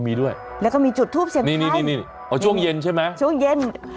มีด้วยแล้วก็มีจุดทูปเสียงนี่นี่เอาช่วงเย็นใช่ไหมช่วงเย็น